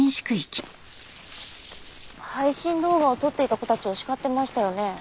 配信動画を撮っていた子たちを叱ってましたよね？